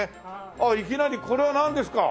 ああいきなりこれはなんですか？